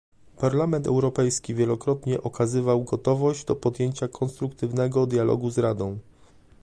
Parlament Europejski wielokrotnie okazywał gotowość do podjęcia konstruktywnego dialogu z Radą